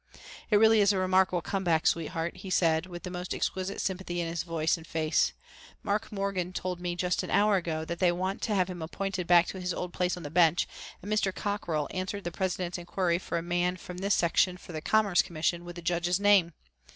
"It really is a remarkable come back, sweetheart," he said, with the most exquisite sympathy in his voice and face. "Mark Morgan told me just an hour ago that they want to have him appointed back to his old place on the bench and Mr. Cockrell answered the President's inquiry for a man from this section for the Commerce Commission with the judge's name.